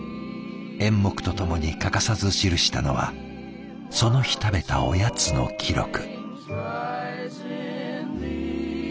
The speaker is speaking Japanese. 演目と共に欠かさず記したのはその日食べたおやつの記録。